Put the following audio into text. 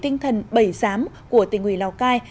đây cũng là cụ thể tinh thần bẩy giám của tỉnh lào cai